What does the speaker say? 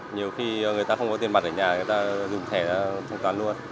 nhiều khi người ta không có tiền mặt ở nhà người ta dùng thẻ thanh toán luôn